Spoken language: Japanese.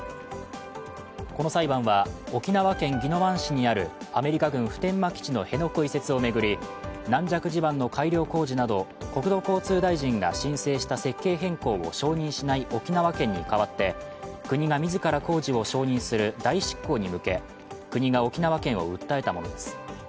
この裁判は沖縄県宜野湾市にあるアメリカ軍普天間基地の辺野古移設を巡り軟弱地盤の改良工事など、国土交通大臣が申請した設計変更を承認しない沖縄県に代わって国が自ら工事を承認する代執行に向け国が沖縄県を訴えたものです。